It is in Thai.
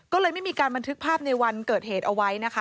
ก็เลยไม่มีการบันทึกภาพในวันเกิดเหตุเอาไว้นะคะ